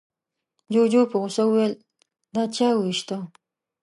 جوجو په غوسه وويل، دا چا ووېشته؟